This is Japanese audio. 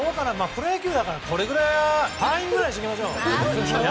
プロ野球だからこれはファインくらいにしておきましょう。